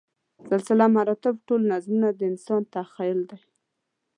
سلسله مراتبو ټول نظمونه د انسان تخیل دی.